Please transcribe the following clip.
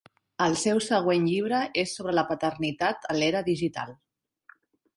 El seu següent llibre és sobre la paternitat a l"era digital.